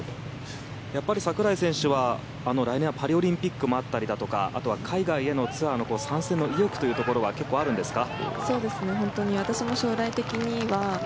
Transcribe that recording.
櫻井選手は来年はパリオリンピックもあったりだとかあとは海外へのツアーの参戦の意欲というところは結構あるんですか？